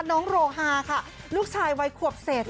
น้องโรฮาค่ะลูกชายวัยขวบเศษ